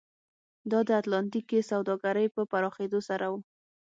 دا د اتلانتیک کې سوداګرۍ په پراخېدو سره و.